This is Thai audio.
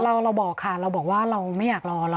เราบอกค่ะเราบอกว่าเราไม่อยากรอ